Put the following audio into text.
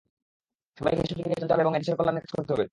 সবাইকে সঠিক ইতিহাস জানতে হবে এবং দেশের কল্যাণে কাজ করতে হবে।